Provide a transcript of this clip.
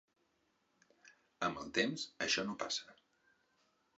Amb el temps això no passa.